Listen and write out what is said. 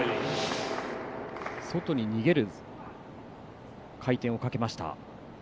外に逃げる回転をかけました。